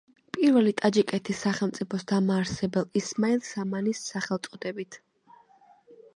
პირველი ტაჯიკეთის სახელმწიფოს დამაარსებელ ისმაილ სამანის სახელწოდებით.